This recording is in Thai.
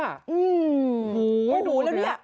โอ้โหดูแล้วเนี่ย